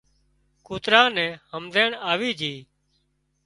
ڪوترا نين همزيڻ آوي جھئي